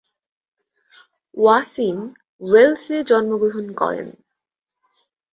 ওয়াসিম ওয়েলসে জন্মগ্রহণ করেন।